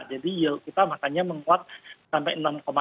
jadi kita makanya menguat sampai enam tiga enam empat